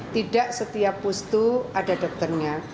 tidak setiap pustu ada dokternya